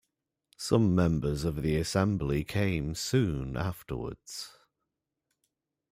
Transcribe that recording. Some members of the Assembly came soon afterwards.